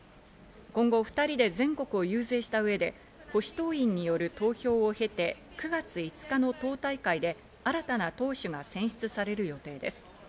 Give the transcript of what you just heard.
今後２人で全国を遊説した上で保守党員による投票を経て、９月５日の党大会で新たな党首が選出される予定です。